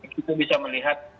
kita bisa melihat